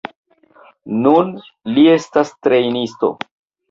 Nun li estas trejnisto.